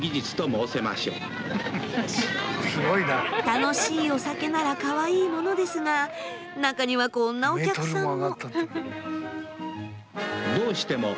楽しいお酒ならかわいいものですが中にはこんなお客さんも。